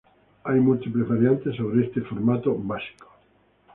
Hay múltiples variantes sobre este formato básico.